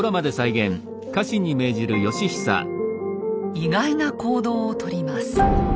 意外な行動を取ります。